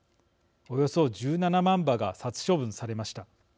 およそ１７万羽が殺処分されました。